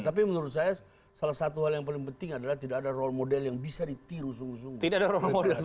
tapi menurut saya salah satu hal yang paling penting adalah tidak ada role model yang bisa ditiru sungguh sungguh